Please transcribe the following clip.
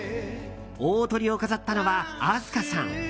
大トリを飾ったのはＡＳＫＡさん。